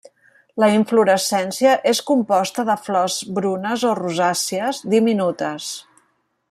La inflorescència és composta de flors brunes o rosàcies, diminutes.